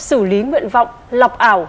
xử lý nguyện vọng lọc ảo